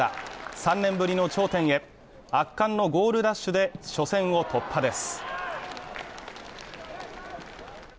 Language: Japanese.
３年ぶりの頂点へ圧巻のゴールラッシュで初戦を突破です。